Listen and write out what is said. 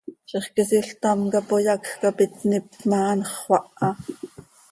Zixquisiil ctam cap oyacj cap itníp ma, anxö xöaha.